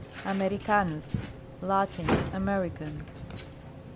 AMERICANUS. Latin. American.